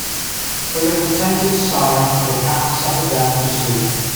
With a contented sigh, the cat settled down to sleep.